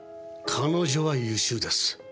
彼女は優秀です。